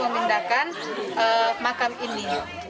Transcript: memindahkan makam ini